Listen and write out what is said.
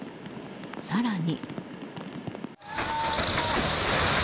更に。